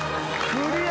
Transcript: クリア。